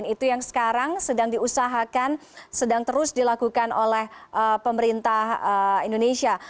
itu yang sekarang sedang diusahakan sedang terus dilakukan oleh pemerintah indonesia